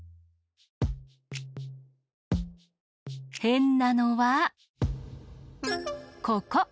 へんなのはここ！